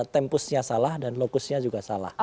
tempusnya salah dan lokusnya juga salah